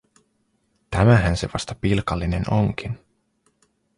Tämähän se vasta pilkallinen onkin.